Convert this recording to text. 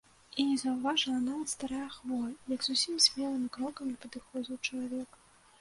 І не заўважыла нават старая хвоя, як зусім смелымі крокамі падыходзіў чалавек.